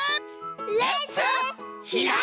レッツひらめき！